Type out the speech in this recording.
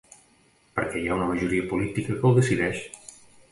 Perquè hi ha una majoria política que ho decideix.